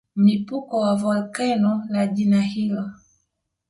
Mlipuko wa volkeno la jina hilo